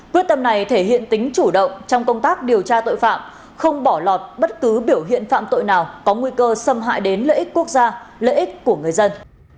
quyết tâm này thể hiện tính chủ động trong công tác điều tra tội phạm không bỏ lọt bất cứ biểu hiện phạm tội nào có nguy cơ xâm hại đến lợi ích quốc gia lợi ích của người dân